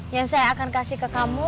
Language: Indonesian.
yang saya akan kasih ke kamu